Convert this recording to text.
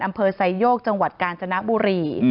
อำเภอไซโยกจังหวัดกาญจนบุรี